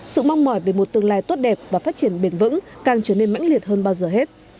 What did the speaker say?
sự mong mỏi về một tương lai tốt đẹp và phát triển bền vững càng trở nên mãnh liệt hơn bao giờ hết